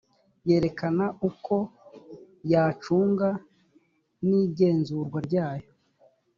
yerekana uko yacunga n igenzurwa ryayo